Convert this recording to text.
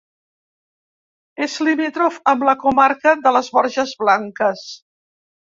És limítrof amb la comarca de Les Borges Blanques.